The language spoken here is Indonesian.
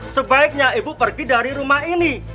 sebaiknya ibu pergi dari rumah ini